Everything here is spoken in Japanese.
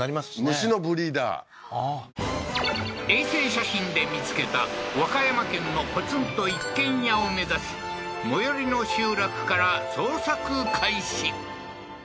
虫のブリーダーああー衛星写真で見つけた和歌山県のポツンと一軒家を目指し最寄りの集落から捜索開始